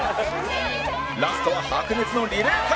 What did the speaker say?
ラストは白熱のリレー対決！